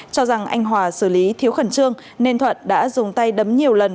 cho rằng anh hòa xử lý thiếu khẩn trương nên thuận đã dùng tay đấm nhiều lần